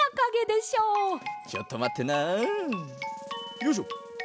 よいしょ。